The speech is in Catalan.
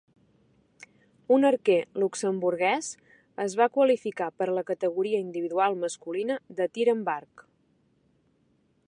Un arquer luxemburguès es va qualificar per a la categoria individual masculina de tir amb arc.